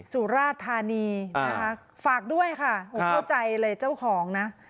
สุราธานีนะคะฝากด้วยค่ะเข้าใจเลยเจ้าของนะ